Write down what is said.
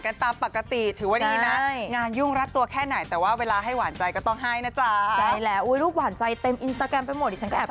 ก็ปกติครับผม